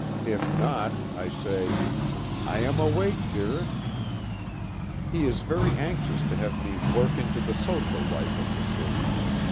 If not I say, "I am awake, dearest." He is very anxious to have me work into the social life of the city.